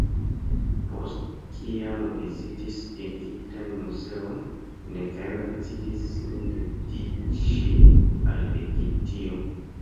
Post kiam vizitis Egiptan muzeon en Kairo decidis sin dediĉi al Egiptio.